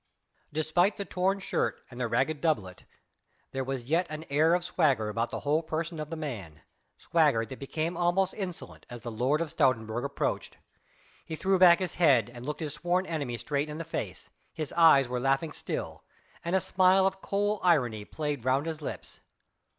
Despite the torn shirt and the ragged doublet there was yet an air of swagger about the whole person of the man, swagger that became almost insolent as the Lord of Stoutenburg approached. He threw back his head and looked his sworn enemy straight in the face, his eyes were laughing still, and a smile of cool irony played round his lips.